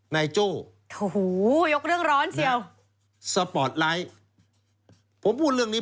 นายโจ้นะฮะสปอร์ตไลท์ผมพูดเรื่องนี้